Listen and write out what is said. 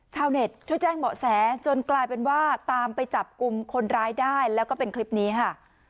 ชาวเน็ตช่วยแจ้งเบาะแสจนกลายเป็นว่าตามไปจับกลุ่มคนร้ายได้แล้วก็เป็นคลิปนี้ค่ะ